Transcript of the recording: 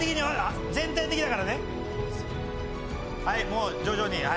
はいもう徐々に。